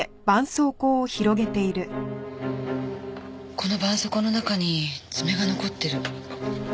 この絆創膏の中に爪が残ってる。